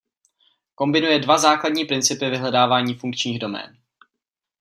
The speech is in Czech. Kombinuje dva základní principy vyhledávání funkčních domén.